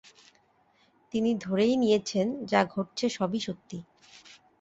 তিনি ধরেই নিয়েছেন যা ঘটছে সবই সত্যি।